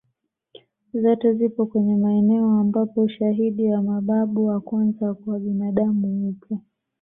Zote zipo kwenye maeneo ambapo ushaidi wa mababu wa kwanza kwa binadamu upo